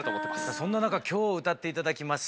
そんな中今日歌って頂きます